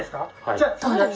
じゃあ。